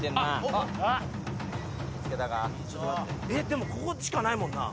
でもここしかないもんな。